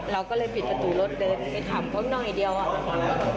เราก็เลยปิดประตูรถเดินไปทำเพราะน้องไอ้เดียวอ่ะ